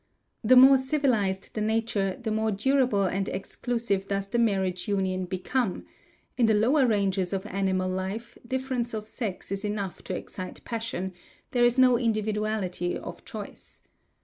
The more civilized the nature the more durable and exclusive does the marriage union become; in the lower ranges of animal life difference of sex is enough to excite passion: there is no individuality of of choice.